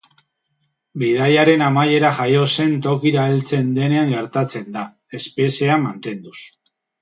Bidaiaren amaiera jaio zen tokira heltzen denean gertatzen da, espeziea mantenduz.